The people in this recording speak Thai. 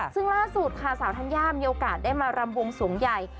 ซึ่งล่าสุดค่ะสาวธัญญามีโอกาสได้มารำวงสวงใหญ่